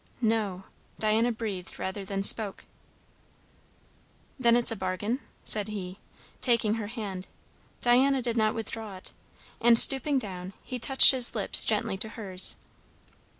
"No," Diana breathed rather than spoke. "'Then it's a bargain?" said he, taking her hand. Diana did not withdraw it, and stooping down he touched his lips gently to hers.